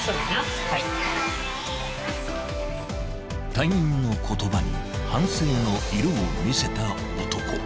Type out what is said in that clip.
［隊員の言葉に反省の色を見せた男］